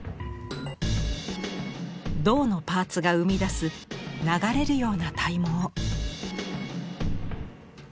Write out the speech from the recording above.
銅のパーツが生み出す流れるような体毛。